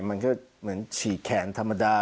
มันก็เหมือนฉีกแขนธรรมดา